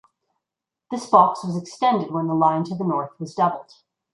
This box was extended when the line to the north was doubled.